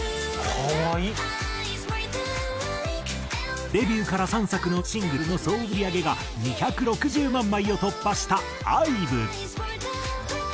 「可愛い」デビューから３作のシングルの総売り上げが２６０万枚を突破したＩＶＥ。